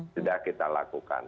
sudah kita lakukan